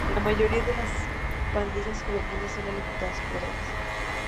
La mayoría de las pandillas juveniles son alimentadas por drogas.